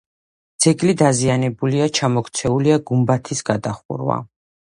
ძეგლი დაზიანებულია, ჩამოქცეულია გუმბათის გადახურვა.